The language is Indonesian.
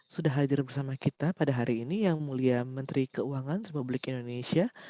sudah hadir bersama kita pada hari ini yang mulia menteri keuangan republik indonesia